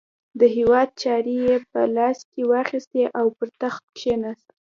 د هیواد چارې یې په لاس کې واخیستې او پر تخت کښېناست.